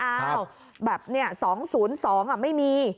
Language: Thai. อ้าวแบบเนี่ย๒๐๒อะไม่มี